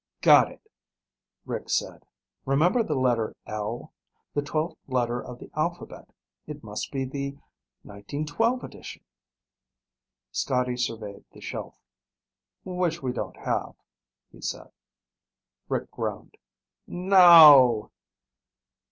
"Got it," Rick said. "Remember the letter L? The twelfth letter of the alphabet. It must be the 1912 edition." Scotty surveyed the shelf. "Which we don't have," he said. Rick groaned. "No!"